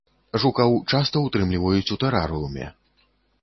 Жукаў часта ўтрымліваюць у тэрарыуме.